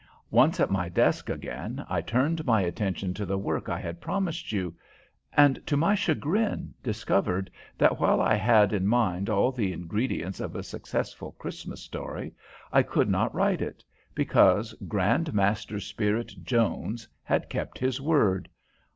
Once at my desk again, I turned my attention to the work I had promised you, and, to my chagrin, discovered that while I had in mind all the ingredients of a successful Christmas story, I could not write it, because Grand Master Spirit Jones had kept his word.